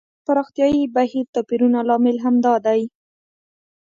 د پراختیايي بهیر توپیرونه لامل همدا دی.